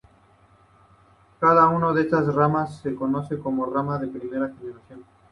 Cada una de estas ramas se conoce como rama de primera generación.